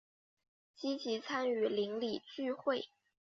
积极参与邻里聚会